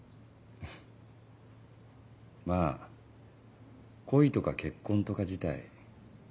まぁ恋とか結婚とか自体